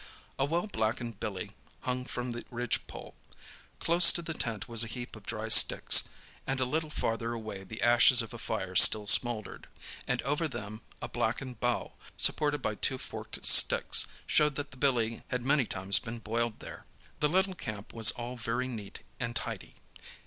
A well blackened billy hung from the ridge pole. Close to the tent was a heap of dry sticks, and a little farther away the ashes of a fire still smouldered, and over them a blackened bough, supported by two forked sticks, showed that the billy had many times been boiled there. The little camp was all very neat and tidy.